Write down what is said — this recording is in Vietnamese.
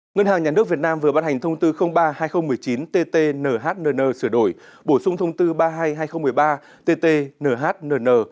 ngân hàng nhà nước việt nam vừa bán hành thông tư ba hai nghìn một mươi chín tt nhnn sửa đổi bổ sung thông tư ba mươi hai hai nghìn một mươi ba tt nhnn